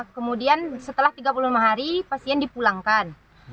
kemudian setelah tiga puluh lima hari pasien dipulangkan